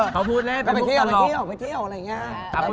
เธอพูดเล่นไปไปเที่ยวอะไรแบบนี้